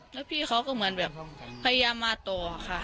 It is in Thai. แล้วพี่เขาก็เหมือนแบบพยายามมาต่อค่ะ